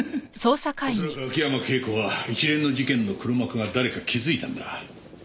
おそらく秋山圭子は一連の事件の黒幕が誰か気づいたんだ。